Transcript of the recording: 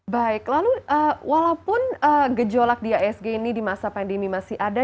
baik lalu walaupun gejolak di asg ini di masa pandemi masih ada